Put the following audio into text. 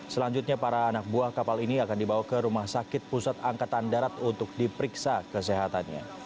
selanjutnya para anak buah kapal ini akan dibawa ke rumah sakit pusat angkatan darat untuk diperiksa kesehatannya